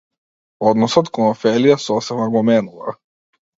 Односот кон Офелија сосема го менува.